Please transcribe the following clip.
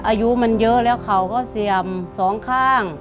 อายุมันเยอะแล้วเขาก็เสี่ยมสองข้าง